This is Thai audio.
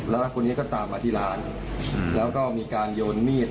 แล้วคนนี้ก็ตามมาที่ร้านแล้วก็มีการโยนมีด